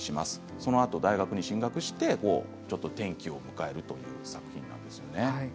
その後、大学に進学してちょっと転機を迎えるという作品なんですよね。